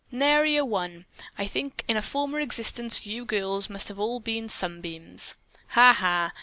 "Nary a one. I think in a former existence you girls must have all been sunbeams." "Ha! ha!"